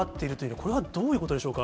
これはどういうことでしょうか。